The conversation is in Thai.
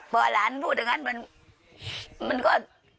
พอหลานพูดอย่างนั้นมันก็